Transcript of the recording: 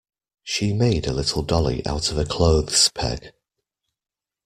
She made a little dolly out of a clothes peg